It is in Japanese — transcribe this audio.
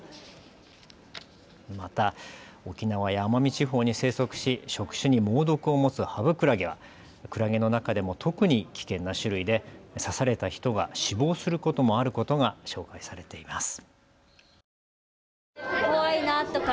また、沖縄や奄美地方に生息し触手に猛毒を持つハブクラゲはクラゲの中でも特に危険な種類で刺された人が死亡することもあることが紹介されています。